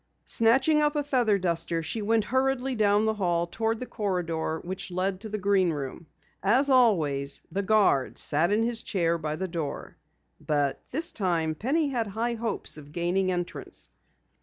Snatching up a feather duster, she went hurriedly down the hall toward the corridor which led to the Green Room. As always, the guard sat in his chair by the door. But this time Penny had high hopes of gaining entrance.